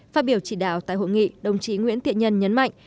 phát biểu chỉ đạo tại hội nghị đồng chí nguyễn thiện nhân nhấn mạnh